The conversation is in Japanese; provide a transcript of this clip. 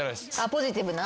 ポジティブな？